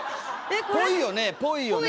ぽいよねぽいよね。